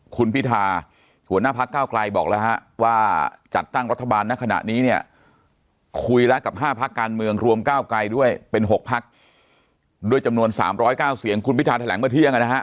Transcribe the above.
คุณพิธาหัวหน้าพักเก้าไกลบอกแล้วฮะว่าจัดตั้งรัฐบาลณขณะนี้เนี่ยคุยแล้วกับ๕พักการเมืองรวมก้าวไกลด้วยเป็น๖พักด้วยจำนวน๓๐๙เสียงคุณพิธาแถลงเมื่อเที่ยงนะฮะ